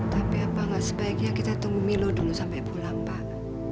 tapi apa nggak sebaiknya kita tunggu milo dulu sampai pulang pak